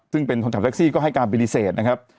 ซึ่งเป็นคนทำแคลซี่ก็ให้การบินิเศษนะครับ